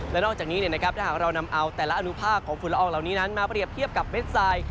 และนอกจากนี้ถ้าหากเรานำเอาแต่ละอนุภาคของฝุ่นละอองเหล่านี้นั้นมาเปรียบเทียบกับเม็ดทราย